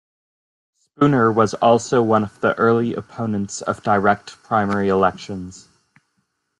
Spooner was also one of the early opponents of direct primary elections.